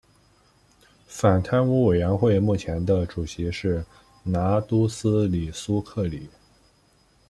反贪污委员会目前的主席是拿督斯里苏克里。